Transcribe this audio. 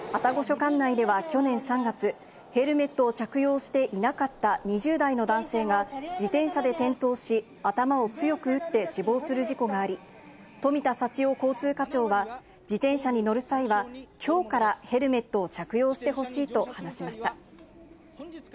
管内では去年３月、ヘルメットを着用していなかった２０代の男性が、自転車で転倒し、頭を強く打って死亡する事故があり、富田幸男交通課長は、自転車に乗る際は、きょうからヘルメットを着用してほしいと話しました。